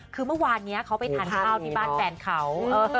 คือเมื่อวานนี้เขาไปทานข้าวที่บ้านแฟนเขา